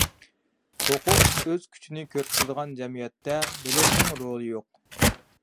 ھوقۇق ئۆز كۈچىنى كۆرسىتىدىغان جەمئىيەتتە بىلىمنىڭ رولى يوق.